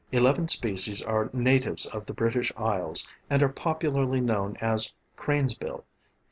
Eleven species are natives of the British Isles and are popularly known as crane's bill.